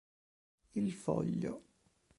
Il foglio